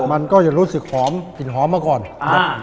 มันก็จะรู้สึกหอมกลิ่นหอมมาก่อนครับ